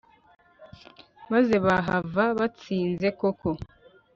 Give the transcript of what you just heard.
maze bahava batsinze koko